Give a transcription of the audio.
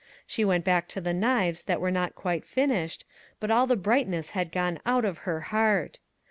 She went back to the knives that were not quite finished, but all the brightness had gone out of her heart.